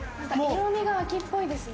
色みが秋っぽいですね。